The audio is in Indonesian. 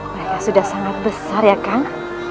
mereka sudah sangat besar ya kang